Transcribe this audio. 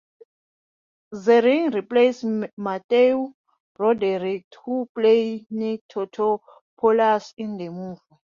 Ziering replaced Matthew Broderick, who played Nick Tatopolous in the movie.